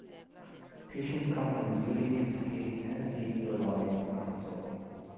Patients come from Missouri, Kentucky, Tennessee, Illinois, and Arkansas.